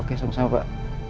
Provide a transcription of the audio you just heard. oke sama sama pak